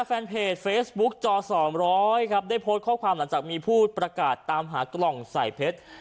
แฟนเพจเฟซบุ๊กจอ๒๐๐ครับได้โพสต์ข้อความหลังจากมีผู้ประกาศตามหากล่องใส่เพชร